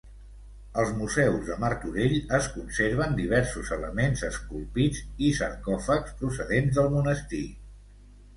Als museus de Martorell es conserven diversos elements esculpits i sarcòfags procedents del monestir.